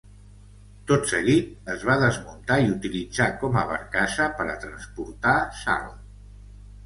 Tot seguit, es va desmuntar i utilitzar com a barcassa per a transportar sal.